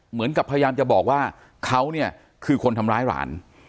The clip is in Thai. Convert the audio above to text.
เหมือนกับพยายามจะบอกว่าเขาเนี่ยคือคนทำร้ายหลาน